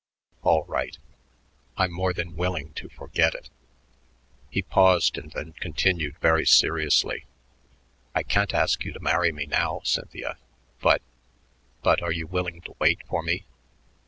"All right. I'm more than willing to forget it." He paused and then continued very seriously, "I can't ask you to marry me now, Cynthia but but are you willing to wait for me?